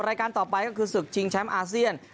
รายการต่อไปก็คือศึกชิงแชมป์อาเซียน